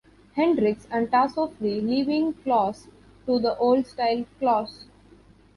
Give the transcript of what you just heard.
Hendricks and Tasso flee, leaving Klaus to the old-style claws.